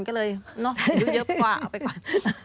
ก็เลยเยอะกว่าไปก่อน